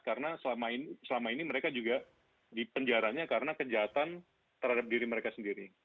karena selama ini mereka juga dipenjaranya karena kejahatan terhadap diri mereka sendiri